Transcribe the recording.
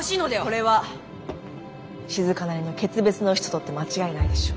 これはしずかなりの決別の意思と取って間違いないでしょう。